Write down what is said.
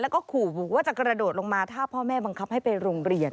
แล้วก็ขู่ว่าจะกระโดดลงมาถ้าพ่อแม่บังคับให้ไปโรงเรียน